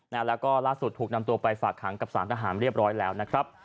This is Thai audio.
และล่ะสุดนำตัวไปฝากหังซาวีทหาร